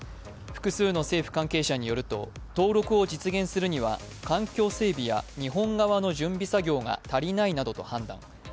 複数の政府関係者によると、登録を実現するには環境整備や日本側の準備作業が足りないなどと判断。